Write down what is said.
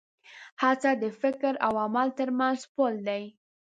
هڅه د فکر او عمل تر منځ پُل دی.